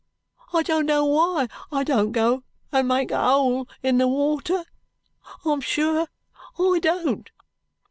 I don't know why I don't go and make a hole in the water, I'm sure I don't."